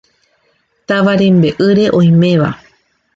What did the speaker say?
Táva rembe'ýre oiméva.